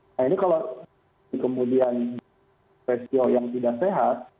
nah ini kalau kemudian rasio yang tidak sehat